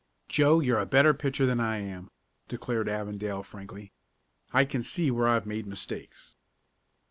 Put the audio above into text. "Joe, you're a better pitcher than I am," declared Avondale, frankly. "I can see where I've made mistakes."